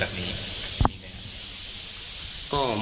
บ๊ายพ่ออีกรูป